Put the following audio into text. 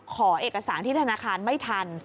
ขอเอกสารที่ธนาคารไม่ทัน